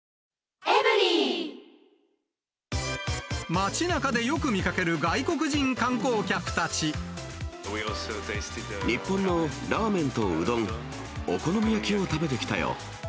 街なかでよく見かける外国人日本のラーメンとうどん、お好み焼きを食べてきたよ。